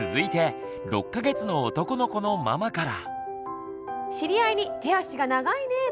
最後は８か月の男の子のママから。